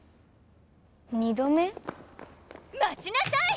２度目？まちなさい！